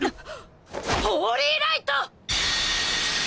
ホーリーライト！